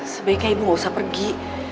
sebaiknya ibu gak usah pergi